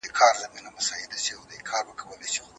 احساسات بايد ومنل شي.